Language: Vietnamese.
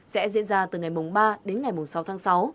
sẽ diễn ra từ ngày ba đến ngày sáu tháng sáu